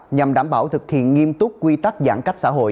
nhằm đảm bảo thực hiện nghiêm túc quy tắc giãn cách xã hội